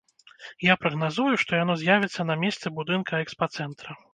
Я прагназую, што яно з'явіцца на месцы будынка экспацэнтра.